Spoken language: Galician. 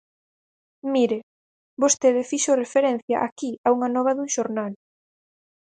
Mire, vostede fixo referencia aquí a unha nova dun xornal.